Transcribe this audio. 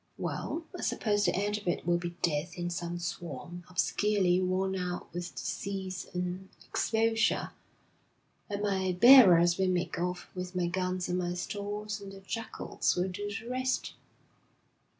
'Well, I suppose the end of it will be death in some swamp, obscurely, worn out with disease and exposure; and my bearers will make off with my guns and my stores, and the jackals will do the rest.'